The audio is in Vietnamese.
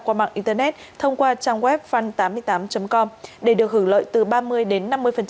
qua mạng internet thông qua trang web fund tám mươi tám com để được hưởng lợi từ ba mươi đến năm mươi